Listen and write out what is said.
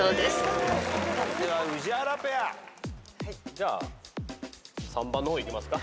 じゃあ３番の方いきますか。